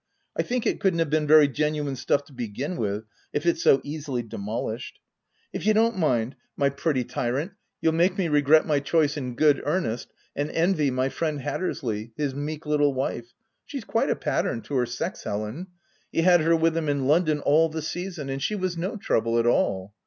I think it couldn't have been very genuine stuff to begin with, if it's so easily demolished. If you don't mind, my pretty 190 THE TENANT tyrant, you'll make me regret my choice in good earnest, and envy my friend Hattersley, his meek little wife — she's quite a pattern to her sex, Helen ; he had her with him in London all the season ? and she was no trouble at all.